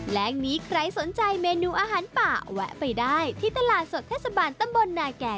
และนี้ใครสนใจเมนูอาหารป่าแวะไปได้ที่ตลาดสดเทศบาลตำบลนาแก่